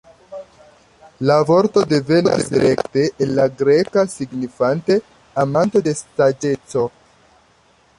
La vorto devenas rekte el la greka signifante "Amanto de saĝeco".